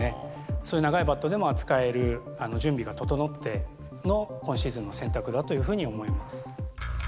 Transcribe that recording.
そういう長いバットでも扱える準備が整っての今シーズンの選択だというふうに思います。